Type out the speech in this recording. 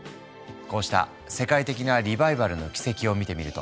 こうした世界的なリバイバルの軌跡を見てみると